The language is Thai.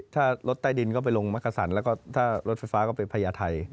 ถ้ารถใต้ดินก็ไปรงมะกะสันและค่ะถ้ารถไฟฟ้าก็ไปไพร่ไทย